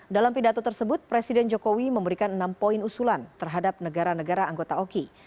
dalam pidato tersebut presiden jokowi memberikan enam poin usulan terhadap negara negara anggota oki